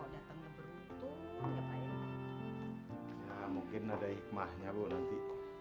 ya mungkin ada hikmahnya loh nanti